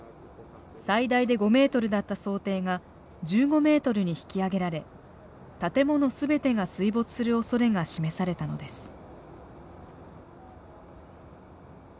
最大で５メートルだった想定が１５メートルに引き上げられ建物全てが水没するおそれが示されたのです。